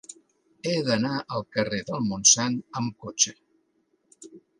He d'anar al carrer del Montsant amb cotxe.